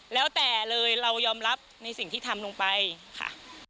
แล้วแต่เลยเรายอมรับในสิ่งที่ทำลงไปค่ะ